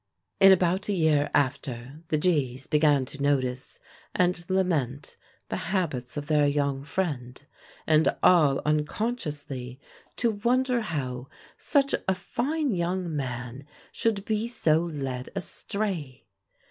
In about a year after, the G.'s began to notice and lament the habits of their young friend, and all unconsciously to wonder how such a fine young man should be so led astray.